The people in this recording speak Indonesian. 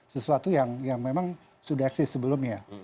sesuatu yang memang sudah eksis sebelumnya